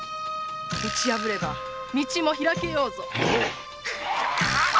打ち破れば道も開けようぞ！